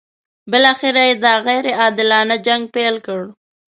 بالاخره یې دا غیر عادلانه جنګ پیل کړ.